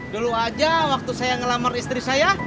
dulu aja waktu saya ngelamar istri saya